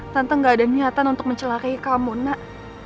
tante gak ada niatan untuk mencelakai kamu nak